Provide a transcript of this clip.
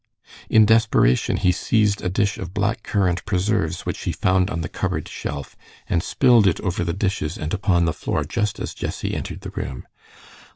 In desperation he seized a dish of black currant preserves which he found on the cupboard shelf, and spilled it over the dishes and upon the floor just as Jessie entered the room.